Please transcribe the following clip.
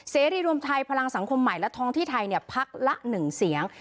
เสรีรวมไทยพลังสังคมใหม่และท้องที่ไทยพักละ๑เสียง